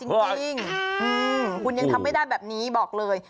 จริงคุณยังทำไม่ได้แบบนี้บอกเลย